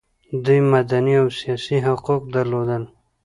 دوی مدني او سیاسي حقوق درلودل.